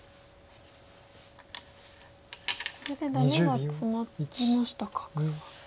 これでダメがツマりましたか黒は。